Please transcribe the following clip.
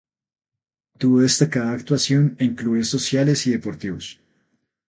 Tuvo destacada actuación en clubes sociales y deportivos.